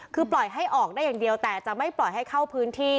คือปล่อยให้ออกได้อย่างเดียวแต่จะไม่ปล่อยให้เข้าพื้นที่